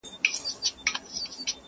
o توره هغه ده چي په لاس درغله٫